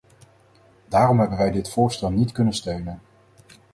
Daarom hebben wij dit voorstel niet kunnen steunen.